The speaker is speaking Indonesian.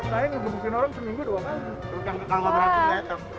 saya ngebukuin orang seminggu dua kali